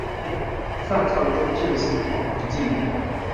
创造优质生活环境